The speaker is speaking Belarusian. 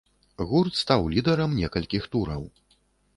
Гурт стаў лідэрам некалькіх тураў.